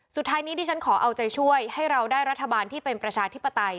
สุดท้ายนี้ดิฉันขอเอาใจช่วยให้เราได้รัฐบาลที่เป็นประชาธิปไตย